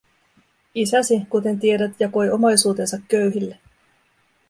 Isäsi, kuten tiedät, jakoi omaisuutensa köyhille.